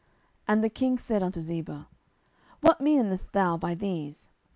10:016:002 And the king said unto Ziba, What meanest thou by these?